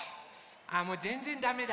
あもうぜんぜんダメだ！